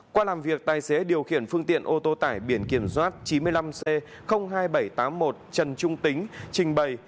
qua làm việc tài xế điều khiển phương tiện ô tô tải biển kiểm soát chín mươi năm c hai nghìn bảy trăm tám mươi một trần trung tính trình bày